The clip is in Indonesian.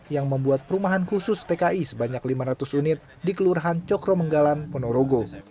yang membuat perumahan khusus tki sebanyak lima ratus unit di kelurahan cokro menggalan ponorogo